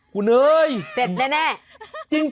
ค่ะเสร็จแน่คุณเอ๊ย